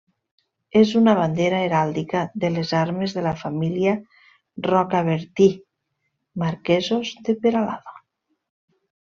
És una bandera heràldica de les armes de la família Rocabertí, marquesos de Peralada.